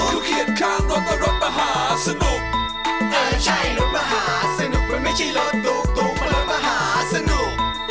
เขียนข้างรถก็รถมหาสนุกเออใช่รถมหาสนุกมันไม่ใช่รถตุ๊กรถมหาสนุก